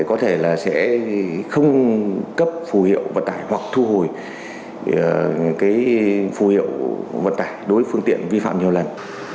có thể là sẽ không cấp phù hiệu vận tải hoặc thu hồi cái phù hiệu vận tải đối với phương tiện vi phạm nhiều lần